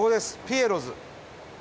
ピエロズ。